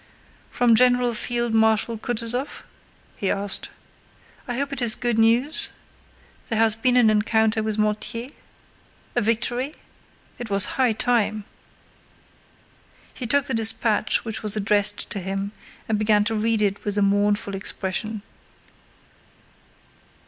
"From General Field Marshal Kutúzov?" he asked. "I hope it is good news? There has been an encounter with Mortier? A victory? It was high time!" He took the dispatch which was addressed to him and began to read it with a mournful expression.